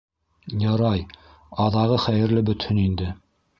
Ярай, аҙағы хәйерле бөтһөн инде.